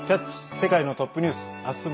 世界のトップニュース」。